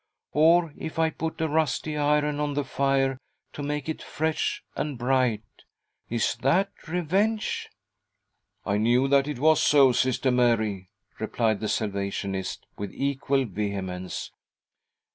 Or, if I put a rusty iron into the fire to make it fresh and bright— is that revenge ?"" I knew that it was so, Sister Mary," replied the Salvationist, with equal vehemence.